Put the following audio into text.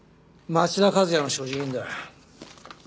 町田和也の所持品だ。